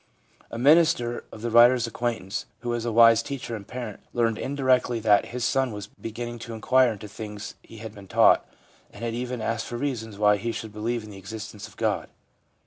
A minister of the writer's acquaintance, who is a wise teacher and parent, learned indirectly that his son was beginning to inquire into the things he had been taught, and had even asked for reasons why he should believe in the existence of God.